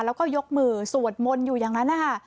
แล้วก็ยกมือสวดมนต์อยู่อย่างนั้นนะคะ